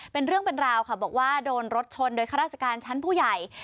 เป็นเรื่องเป็นราวค่ะบอกว่าโดนรถชนโดยข้าราชการชั้นผู้ใหญ่